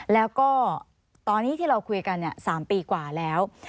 แล้วก็ตอนนี้ที่เราคุยกัน๓ปีกว่าแล้ว